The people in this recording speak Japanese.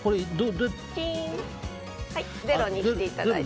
ゼロにしていただいて。